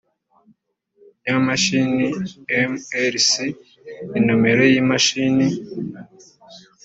y imashini mrc inomero y imashini